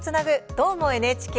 「どーも、ＮＨＫ」